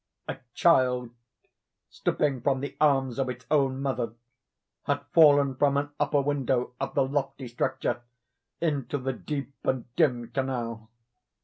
A child, slipping from the arms of its own mother, had fallen from an upper window of the lofty structure into the deep and dim canal.